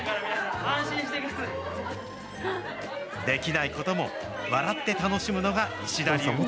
できないことも笑って楽しむのが石田流。